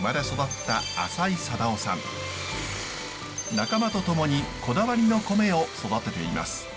仲間と共にこだわりの米を育てています。